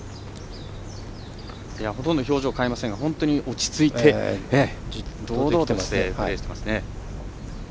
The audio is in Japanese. ほとんど表情、変えませんが落ち着いて、堂々としてプレーしていますね。